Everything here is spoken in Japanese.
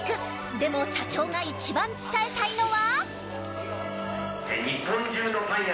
でも社長が一番伝えたいのは。